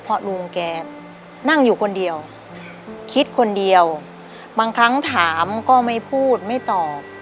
เพราะลุงแกนั่งอยู่คนเดียวคิดคนเดียวบางครั้งถามก็ไม่พูดไม่ตอบ